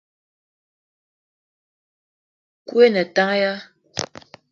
Nkou o ne tank ya ?